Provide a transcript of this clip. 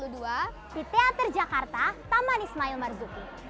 di teater jakarta taman ismail marzuki